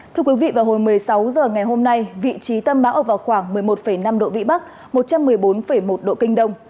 thưa quý vị vào hồi một mươi sáu h ngày hôm nay vị trí tâm bão ở vào khoảng một mươi một năm độ vĩ bắc một trăm một mươi bốn một độ kinh đông